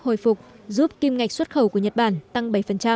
hồi phục giúp kim ngạch xuất khẩu của nhật bản tăng bảy